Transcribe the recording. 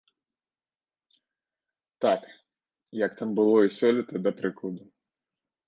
Так, як там было і сёлета, да прыкладу.